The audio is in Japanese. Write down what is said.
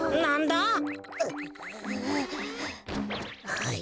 はい。